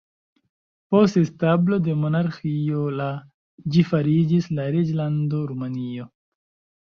Post establo de monarĥio la ĝi fariĝis la Reĝlando Rumanio.